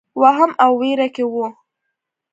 وهم او وېره کې وو.